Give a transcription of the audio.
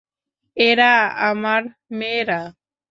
এরা আমার মেয়েরা।